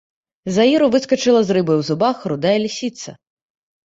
З аіру выскачыла з рыбай у зубах рудая лісіца.